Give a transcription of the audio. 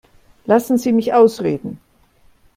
Lassen Sie mich ausreden.